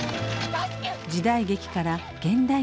時代劇から現代劇まで。